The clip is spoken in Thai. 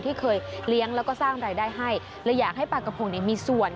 ที่เคยเลี้ยงแล้วก็สร้างรายได้ให้เลยอยากให้ปลากระพงเนี่ยมีส่วน